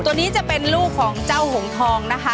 ตัวนี้จะเป็นลูกของเจ้าหงทองนะคะ